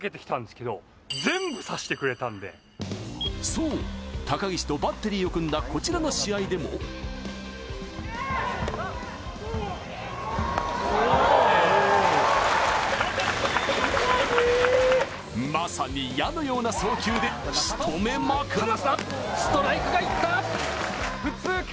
そう、高岸とバッテリーを組んだこちらの試合でもまさに矢のような送球でしとめまくる。